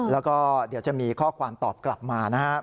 แล้วก็เดี๋ยวจะมีข้อความตอบกลับมานะฮะ